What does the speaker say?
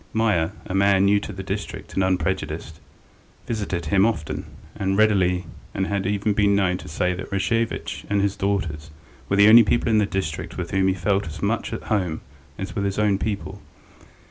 Meier, a man new to the district and unprejudiced, visited him often and readily and had even been known to say that Rashevitch and his daughters were the only people in the district with whom he felt as much at home as with his own people.